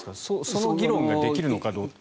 その議論ができるかどうか。